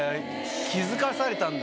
気付かされたんだ